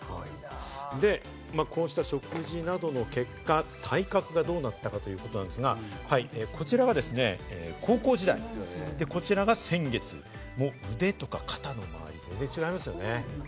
こうした食事などの結果、体格がどうなったかということですが、こちらが高校時代、こちらが先月、腕とか肩、全然違いますね。